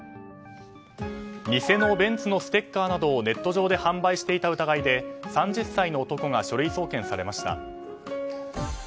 偽のベンツのステッカーなどをネット上で販売していた疑いで３０歳の男が書類送検されました。